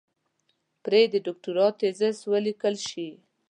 پرې د دوکتورا تېزس وليکل شي.